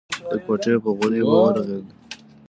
د کوټې پر غولي به ورغړېد.